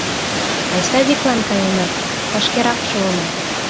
— Айста виклан каена, вашкерак шуына.